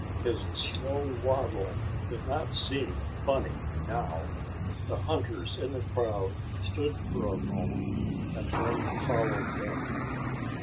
His slow waddle did not seem funny now. The hunters in the crowd stood for a moment, and then followed him.